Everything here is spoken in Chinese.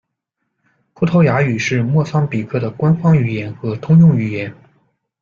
葡萄牙语是莫桑比克的官方语言和通用语言。